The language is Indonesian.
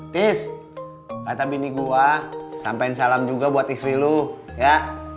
pis kata bini gue sampein salam juga buat istri lu ya